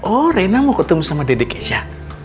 oh reina mau ketemu sama daddy kesia